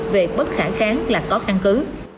về bất khả kháng là có căn cứ